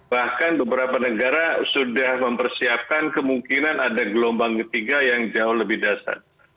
bahkan beberapa negara sudah mempersiapkan kemungkinan ada gelombang ketiga yang jauh lebih dasar